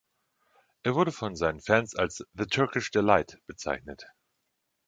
Er wurde von seinen Fans als "The Turkish Delight" bezeichnet.